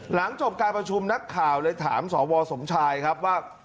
หลังจบการประชุมนักข่าวเลยถามสวสมชายครับว่า